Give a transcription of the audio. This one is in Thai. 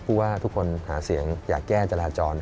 ว่าทุกคนหาเสียงอยากแก้จราจร